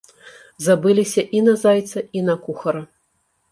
Забыліся і на зайца і на кухара.